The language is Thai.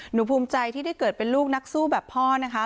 หนูภูมิใจที่ได้เกิดเป็นลูกนักสู้แบบพ่อนะคะ